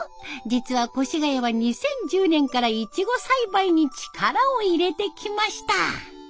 実は越谷は２０１０年からイチゴ栽培に力を入れてきました。